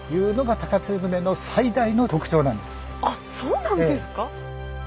あっそうなんですか？